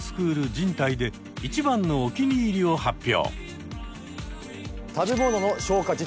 人体で一番のお気に入りを発表！